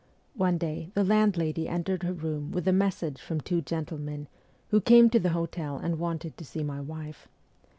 One day the landlady entered her room with a message from two gentlemen, who came to the hotel and wanted to see my wife.